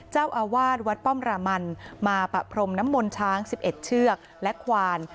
เจ้าอาวาสวัดป้อมรามันมาปะพรมน้ำมนต์ช้าง๑๑เชือกและควาน